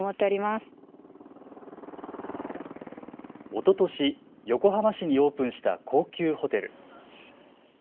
おととし、横浜市にオープンした高級ホテル。